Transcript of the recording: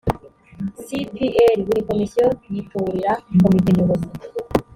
c p r buri komisiyo yitorera komite nyobozi